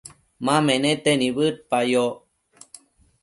ma menete nibëdpayoc